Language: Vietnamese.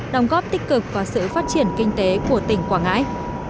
đóng góp tích cực và sự phát triển kinh tế của tỉnh quảng ngãi